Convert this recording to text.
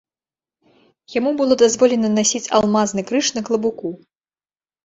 Яму было дазволена насіць алмазны крыж на клабуку.